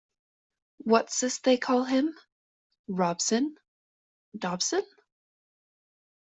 What's this they call him? — Robson? — Dobson?